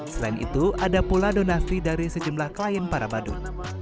selain itu ada pula donasi dari sejumlah klien para badut